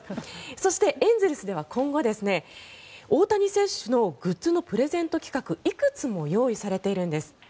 そして、エンゼルスでは今後大谷選手のグッズのプレゼント企画がいくつも用意されているんです。